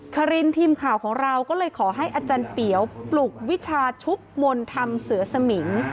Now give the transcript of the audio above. คารินทีมข่าวของเราก็เลยขอให้อาจารย์เปี๋วปลุกวิชาชุบมนต์ทำเสือสมิง